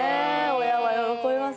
親は喜びます